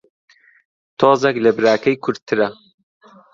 تۆزێک لە براکەی کورتترە